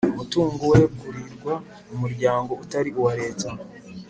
Umutungo wegurirwa Umuryango utari uwa Leta.